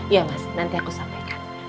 iya mas nanti aku sampaikan